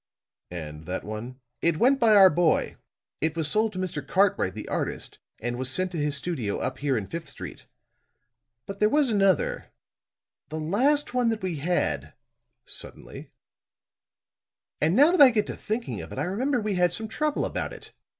"And that one " "It went by our boy. It was sold to Mr. Cartwright the artist, and was sent to his studio up here in Fifth St. But there was another the last one that we had," suddenly, "and now that I get thinking of it, I remember we had some trouble about it.